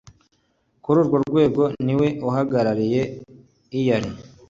kuri urwo rwego ni we uhagarariye ear